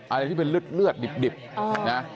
อะไรที่เป็นเลือดดิบนะ